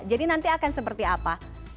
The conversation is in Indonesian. jadi nanti akan seperti apa